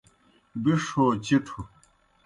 بِݜ ہو چِٹھوْ